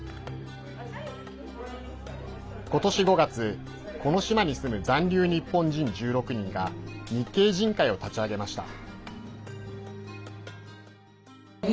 今年５月この島に住む残留日本人１６人が日系人会を立ち上げました。